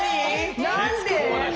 何で？